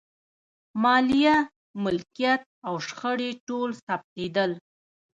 مالیه، ملکیت او شخړې ټول ثبتېدل.